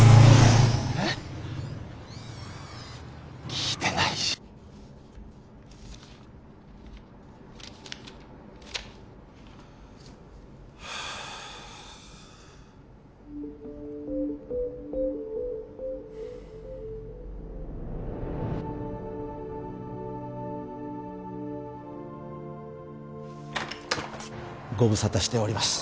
聞いてないしごぶさたしております